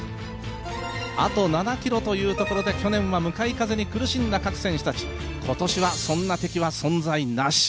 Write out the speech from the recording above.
あと７ｋｍというところで去年は向かい風に苦しんだ各選手たち、今年はそんな敵は存在なし。